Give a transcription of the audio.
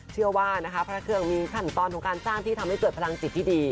เชื่อว่านะคะพระเครื่องมีขั้นตอนของการสร้างที่ทำให้เกิดพลังจิตที่ดี